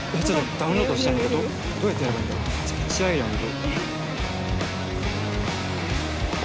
・ダウンロードしたいんだけどどうやってやればいいんだろう「プチプチアイランド」